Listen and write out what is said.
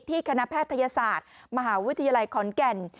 คณะแพทยศาสตร์มหาวิทยาลัยขอนแก่น